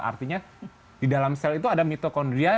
artinya di dalam sel itu ada mitokondria